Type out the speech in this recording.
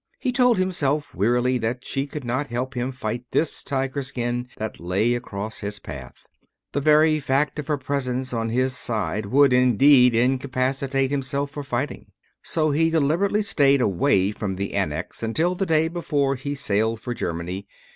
He told himself wearily that she could not help him fight this tiger skin that lay across his path, The very fact of her presence by his side would, indeed, incapacitate himself for fighting. So he deliberately stayed away from the Annex until the day before he sailed for Germany.